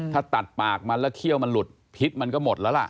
ถ้าตัดปากมันแล้วเขี้ยวมันหลุดพิษมันก็หมดแล้วล่ะ